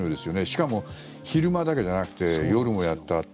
しかも、昼間だけじゃなくて夜もやった。